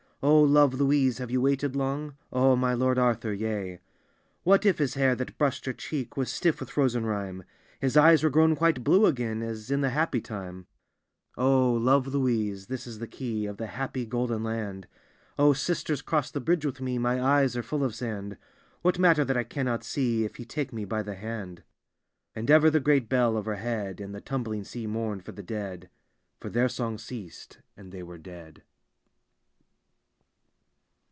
" O love Louise, have you waited long? "" O my Lord Ardiur, yea." What if his hair that bnish'd her cheek Was stiff with frozen rime? His eyes were grown quite blue again. As in the happy time. D,gt,, erihyGOOgle The Haunted Hour " O, love Louise, this Js the key Of the happy golden land! O, sisters, cross the bridge with me, My eyes are full of sand. What matter that I cannot see. If ye take me by the hand ?" And ever the great bell overhead. And the tumbling sea mourned for the dead; For their song ceased, and they were dead.